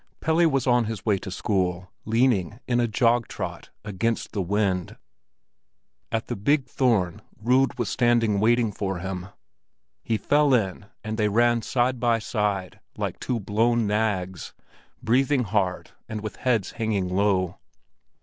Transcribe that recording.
Pelle was on his way to school, leaning, in a jog trot, against the wind. At the big thorn Rud was standing waiting for him; he fell in, and they ran side by side like two blown nags, breathing hard and with heads hanging low.